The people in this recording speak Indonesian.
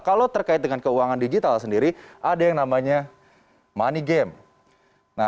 kalau terkait dengan keuangan digital sendiri ada yang namanya money game